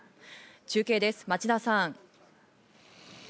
中継です、町田さん。